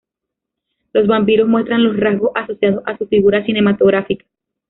Los vampiros muestran los rasgos asociados a su figura cinematográfica.